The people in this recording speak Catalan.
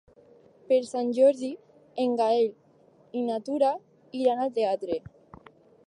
Per Sant Jordi en Gaël i na Tura iran al teatre.